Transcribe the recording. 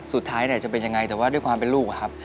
สุดท้ายจะเป็นยังไงแต่ว่าด้วยความเป็นลูกอะครับ